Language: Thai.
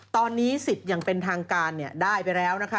ตอนนี้สิทธิ์อย่างเป็นทางการได้ไปแล้วนะคะ